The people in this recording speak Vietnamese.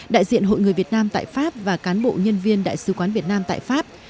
đại diện hội người việt nam tại pháp và cán bộ nhân viên đại sứ quán việt nam tại pháp